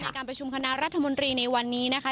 การประชุมคณะรัฐมนตรีในวันนี้นะคะ